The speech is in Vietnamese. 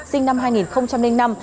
sinh năm hai nghìn năm